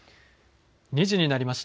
２時になりました。